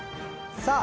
さあ